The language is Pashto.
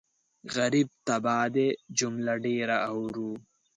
غريب تباه دی جمله ډېره اورو